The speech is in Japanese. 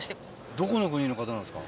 どこの国の方なんですか？